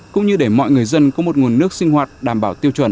cũng như để mọi người dân có một nguồn nước sinh hoạt đảm bảo tiêu chuẩn